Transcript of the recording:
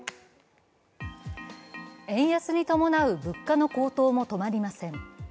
円安に伴う物価の高騰も止まりません。